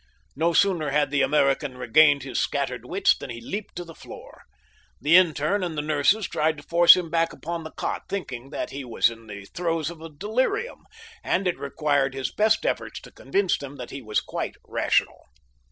No sooner had the American regained his scattered wits than he leaped to the floor. The interne and the nurses tried to force him back upon the cot, thinking that he was in the throes of a delirium, and it required his best efforts to convince them that he was quite rational.